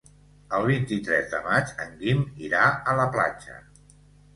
El vint-i-tres de maig en Guim irà a la platja.